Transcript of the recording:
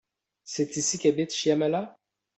C'est ici qu'habite Shyamala ?